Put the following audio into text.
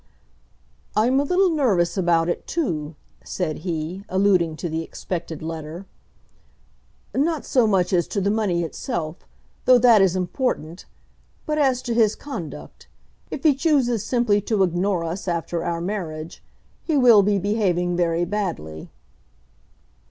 "I am a little nervous about it too," said he, alluding to the expected letter; "not so much as to the money itself, though that is important; but as to his conduct. If he chooses simply to ignore us after our marriage he will be behaving very badly."